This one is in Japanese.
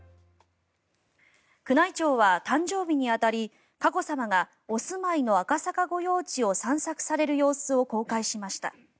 宮内庁は誕生日に当たり佳子さまがお住まいの赤坂御用地を散策される様子を公開しました。